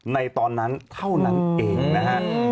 ในตอนนั้นเท่านั้นเองนะฮะ